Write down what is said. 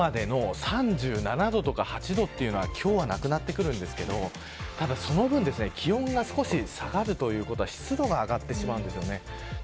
昨日までの３７度とか３８度というのは今日はなくなってくるんですけどただその分、気温が少し下がるということは湿度が上がってしまうんです。